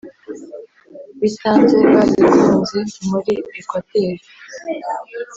Bitanze babikunze muri Ekwateri